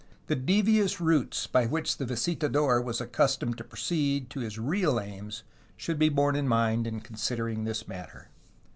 The devious routes by which the visitador was accustomed to proceed to his real aims should be borne in mind in considering this matter.